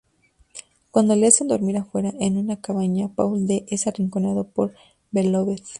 Cuando le hacen dormir afuera, en una cabaña, Paul D es arrinconado por Beloved.